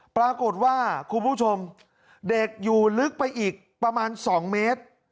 คุณผู้ชมเด็กอยู่ลึกไปอีกประมาณ๒เมตร